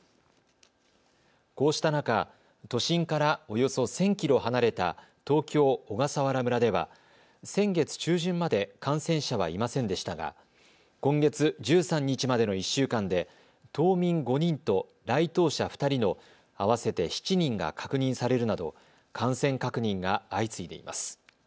こうした中、都心からおよそ１０００キロ離れた東京小笠原村では先月中旬まで感染者はいませんでしたが今月１３日までの１週間で島民５人と来島者２人の合わせて７人が確認されるなど感染確認が相次いでいます。